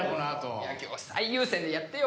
いや今日は最優先でやってよ